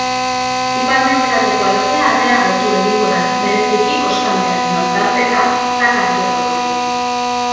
Ipar-mendebaldeko haizea areagotu egingo da, bereziki kostaldean non tarteka zakar joko duen.